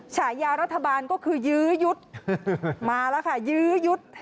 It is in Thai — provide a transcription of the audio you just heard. ชายารัฐบาลก็คือยืดมาแล้วค่ะยืด